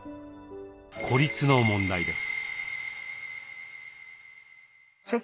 孤立の問題です。